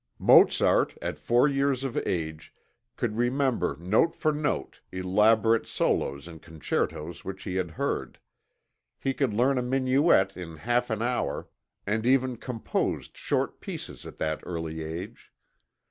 "Mozart, at four years of age, could remember note for note, elaborate solos in concertos which he had heard; he could learn a minuet in half an hour, and even composed short pieces at that early age.